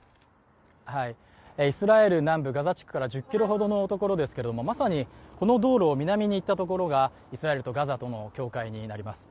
イスラエル南部ガザ地区から１０ｋｍほどのところですけれども、まさにこの道路を南に行ったところがイスラエルとガザとの境界になります。